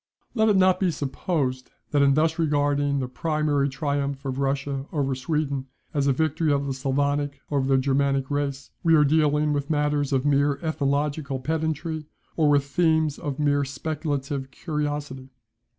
] Let it not be supposed that in thus regarding the primary triumph of Russia over Sweden as a victory of the Sclavonic over the Germanic race, we are dealing with matters of mere ethnological pedantry, or with themes of mere speculative curiosity.